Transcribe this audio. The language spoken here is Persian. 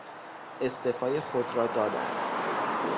استعفای خود را دادن